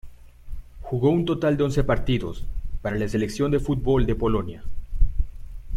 Jugó un total de once partidos para la selección de fútbol de Polonia.